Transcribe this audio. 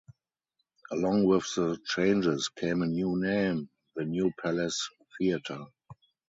Along with the changes came a new name, the "New Palace Theatre".